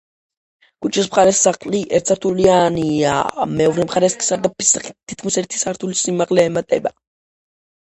ქუჩის მხარეს სახლი ერთსართულიანია, მეორე მხარეს კი სარდაფის სახით თითქმის ერთი სართულის სიმაღლე ემატება.